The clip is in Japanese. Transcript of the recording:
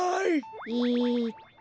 えっと